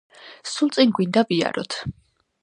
სულ წინ გვინდა ვიაროთ.